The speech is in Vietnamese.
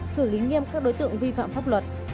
xử lý nghiêm các đối tượng vi phạm pháp luật